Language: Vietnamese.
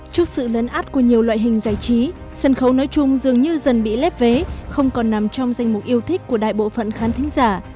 trước sự lấn át của nhiều loại hình giải trí sân khấu nói chung dường như dần bị lép vế không còn nằm trong danh mục yêu thích của đại bộ phận khán thính giả